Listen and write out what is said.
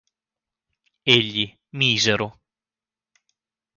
Egli, misero!